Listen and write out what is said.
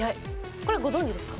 これは、ご存じですか？